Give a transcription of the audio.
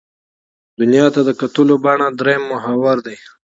دنیا ته د کتلو بڼه درېیم محور دی.